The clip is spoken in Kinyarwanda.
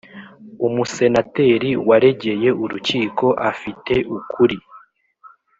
Umusenateri waregeye urukiko afite ukuri